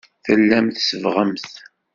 Tellamt tsebbɣemt.